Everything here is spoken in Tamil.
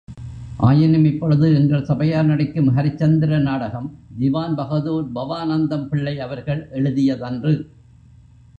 ஆயினும் இப்பொழுது எங்கள் சபையார் நடிக்கும் ஹரிச்சந்திர நாடகம், திவான் பஹதூர் பவாநந்தம் பிள்ளை அவர்கள் எழுதியதன்று.